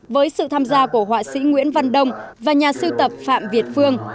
với sự tham gia của họa sĩ nguyễn văn đông và nhà sưu tập phạm việt phương